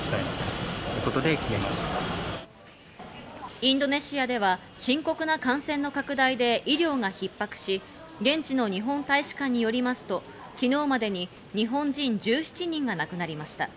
インドネシアでは、深刻な感染の拡大で医療が逼迫し、現地の日本大使館によりますと、昨日までに日本人１７人が亡くなりました。